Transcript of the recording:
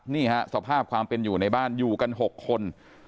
นี่ฮะสภาพความเป็นอยู่ในบ้านอยู่กัน๖คน